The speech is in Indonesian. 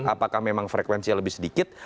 apakah memang frekuensinya lebih sedikit